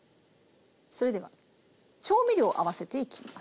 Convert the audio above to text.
それでは調味料を合わせていきます。